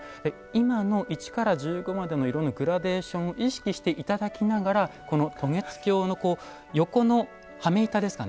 今の一から十五までの色のグラデーションを意識して頂きながらこの渡月橋の横の羽目板ですかね？